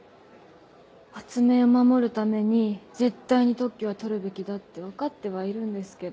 発明を守るために絶対に特許は取るべきだって分かってはいるんですけど。